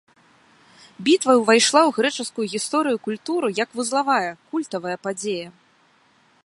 Бітва ўвайшла ў грэчаскую гісторыю і культуру як вузлавая, культавая падзея.